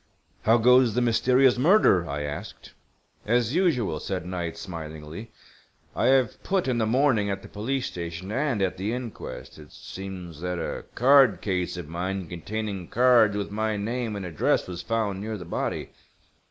"How goes the mysterious murder?" I asked. "As usual," said Knight, smilingly. "I have put in the morning at the police station and at the inquest. It seems that a card case of mine containing cards with my name and address was found near the body.